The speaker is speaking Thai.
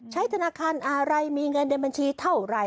ธนาคารอะไรมีเงินในบัญชีเท่าไหร่